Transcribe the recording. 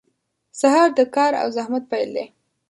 • سهار د کار او زحمت پیل دی.